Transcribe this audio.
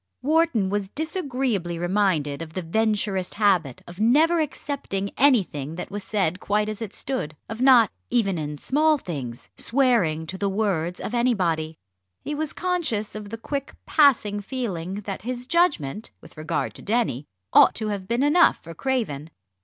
Wharton was disagreeably reminded of the Venturist habit of never accepting anything that was said quite as it stood of not, even in small things, "swearing to the words" of anybody. He was conscious of the quick passing feeling that his judgment, with regard to Denny, ought to have been enough for Craven.